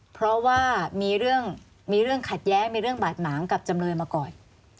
เพราะว่ามีเรื่องมีเรื่องขัดแย้งมีเรื่องบาดหมางกับจำเลยมาก่อน